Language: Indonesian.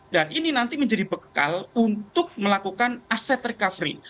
dan ini nanti menjadi bekal untuk melakukan aset recovery